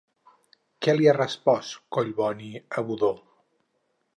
Què li ha respost Collboni a Budó?